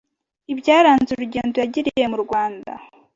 ibyaranze urugendo yagiriye mu Rwanda